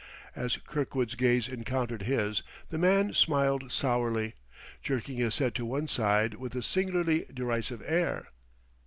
As Kirkwood's gaze encountered his, the man smiled sourly, jerking his head to one side with a singularly derisive air.